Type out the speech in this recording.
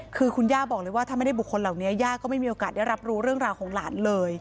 คือคุณย่าบอกเลยว่าถ้าไม่ได้บุคคลเหล่านี้ย่าก็ไม่มีโอกาสได้รับรู้เรื่องราวของหลานเลย